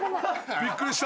びっくりした！